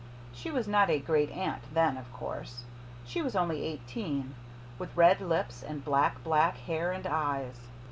She was not a Great Aunt then, of course. She was only eighteen, with red lips and black, black hair and eyes.